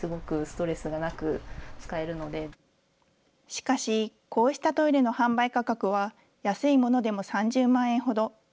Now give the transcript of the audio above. しかし、こうしたトイレの販売価格は、安いものでも３０万円ほど。